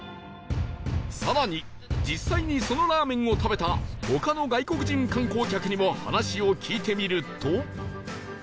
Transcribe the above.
更に実際にそのラーメンを食べた他の外国人観光客にも話を聞いてみると